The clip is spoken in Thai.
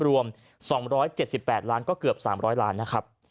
รวม๒๗๘ล้านก็เกือบ๓๐๐ล้านนะครับ